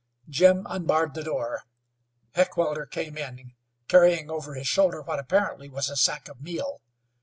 Jim unbarred the door. Heckewelder came in carrying over his shoulder what apparently was a sack of meal.